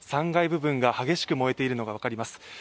３階部分が激しく燃えているのが分かります。